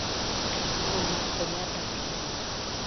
Nomakoriatake.